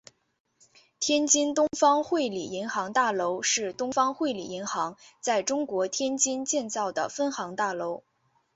天津东方汇理银行大楼是东方汇理银行在中国天津建造的分行大楼。